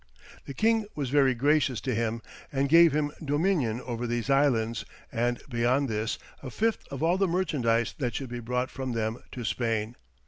The king was very gracious to him and gave him dominion over these islands, and beyond this, a fifth of all the merchandise that should be brought from them to Spain.